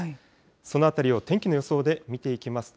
そのあたりを天気の予想で見ていきますと。